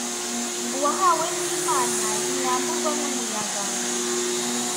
Uwahawe n’Imana ntiyamburwa n’umuyaga.